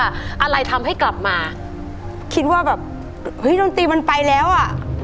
อะไรทำให้กลับมาคิดว่าแบบเฮ้ยดนตรีมันไปแล้วอ่ะ